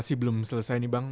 kalau selesai nih bang